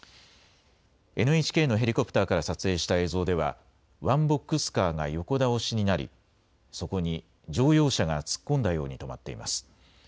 ＮＨＫのヘリコプターから撮影した映像ではワンボックスカーが横倒しになりそこに乗用車が突っ込んだように止まっています。